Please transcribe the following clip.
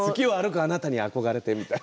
あなたに憧れてみたいな。